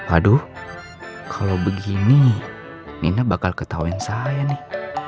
aduh kalau begini nina bakal ketawain saya nih